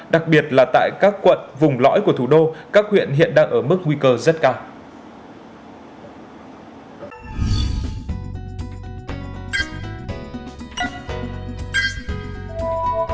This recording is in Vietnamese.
đặc biệt là tại các quận vùng lõi của thủ đô các huyện hiện đang ở mức nguy cơ rất cao